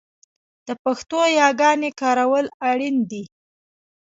د پښتو یاګانې کارول اړین دي